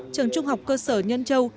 trường trung học cơ sở nhân châu